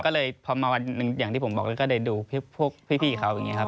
ก็เลยพอมาวันหนึ่งอย่างที่ผมบอกก็ได้ดูพวกพี่เขาอย่างนี้ครับ